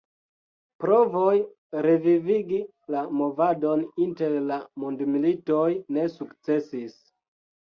Provoj revivigi la movadon inter la Mondmilitoj ne sukcesis.